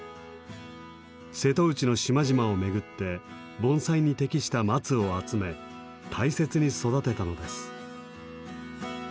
瀬戸内の島々を巡って盆栽に適した松を集め大切に育てたのです。